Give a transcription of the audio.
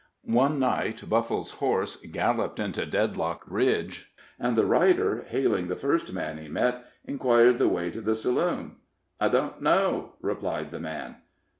One night Buffle's horse galloped into Deadlock Ridge, and the rider, hailing the first man he met, inquired the way to the saloon. "I don't know," replied the man.